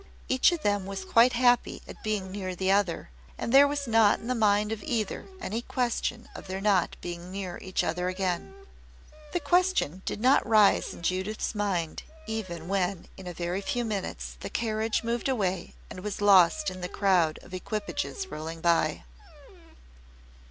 Each of them was quite happy at being near the other, and there was not in the mind of either any question of their not being near each other again. The question did not rise in Judith's mind even when in a very few minutes the carriage moved away and was lost in the crowd of equipages rolling by.